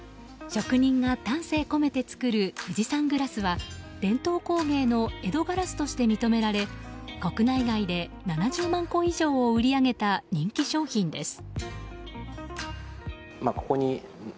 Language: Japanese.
職人が丹精込めて作る富士山グラスは伝統工芸の江戸硝子として認められ国内外で７０万個以上を売り上げた人気商品です。